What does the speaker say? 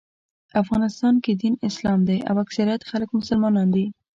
افغانستان کې دین اسلام دی او اکثریت خلک مسلمانان دي.